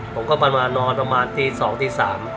ผมก็ประมาณนอนประมาณตี๒ตี๓